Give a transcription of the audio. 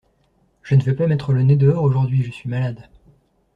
Je ne vais pas mettre le nez dehors aujourd'hui, je suis malade.